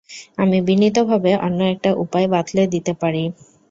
আমি বিনীতভাবে অন্য একটা উপায় বাতলে দিতে পারি?